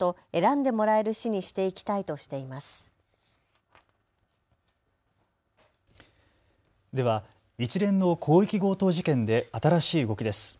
では一連の広域強盗事件で新しい動きです。